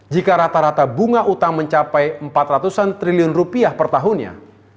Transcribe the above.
jika rata rata bunga utang mencapai rp empat ratus per tahunnya